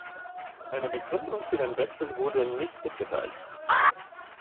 Eine Begründung für den Wechsel wurde nicht mitgeteilt.